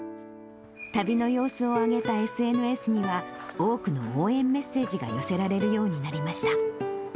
旅の様子を上げたＳＮＳには、多くの応援メッセージが寄せられるようになりました。